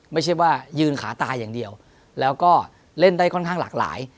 ไม่ใช่ว่ายืนขาตายอย่างเดียวแล้วก็เล่นได้ค่อนข้างหลากหลาย